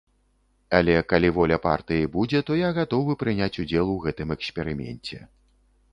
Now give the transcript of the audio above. Але калі воля партыі будзе, то я гатовы прыняць удзел у гэтым эксперыменце.